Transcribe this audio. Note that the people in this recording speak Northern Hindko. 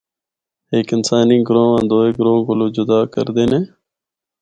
ہک انسانی گروہ آں دوہے گروہ کولوں جدا کردے نے۔